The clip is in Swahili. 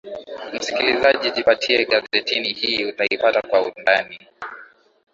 msikilizaji jipatie gazetini hii utaipata kwa undani